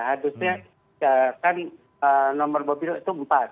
harusnya kan nomor mobil itu empat